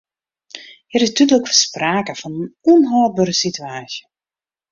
Hjir is dúdlik sprake fan in ûnhâldbere situaasje.